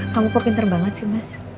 kamu kok pinter banget sih mas